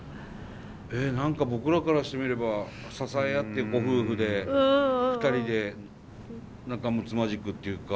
えっ何か僕らからしてみれば支え合ってご夫婦で２人で仲むつまじくっていうか。